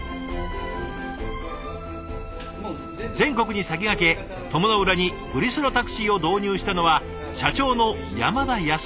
全国に先駆け鞆の浦にグリスロタクシーを導入したのは社長の山田康文さん。